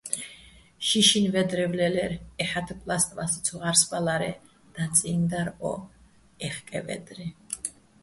შიშინ ვე́დრევ ლე́ლერ, ეჰ̦ა́თ პლასტმასი ცო ა́რსბალარე, დაწიჼ დარ ო ჺეჰკეჼ ვე́დრი.